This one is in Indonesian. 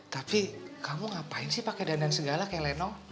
tapi kamu ngapain sih pakai dandan segala kayak lenong